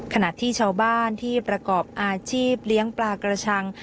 ขณะที่ชาวบ้านที่ประกอบอาชีพเลี้ยงปลากระชัง